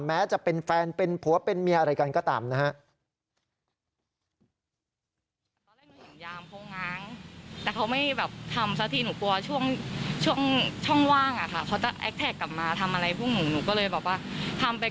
แม้จะเป็นแฟนเป็นผัวเป็นเมียอะไรกันก็ตามนะฮะ